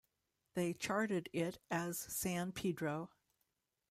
They charted it as "San Pedro".